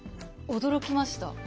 驚きました。